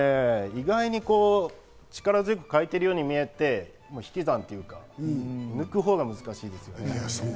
意外に力強く描いているように見えて、引き算というか、抜くほうが難しいです。